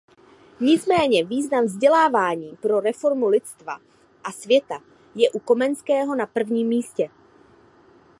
Nicméně význam vzdělávání pro reformu lidstva a světa je u Komenského na prvním místě.